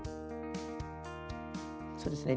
そうですね